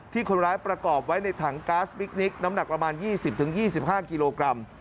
ที่คนร้ายประกอบไว้ในถังน้ำหนักประมาณยี่สิบถึงยี่สิบห้ากิโลกรัม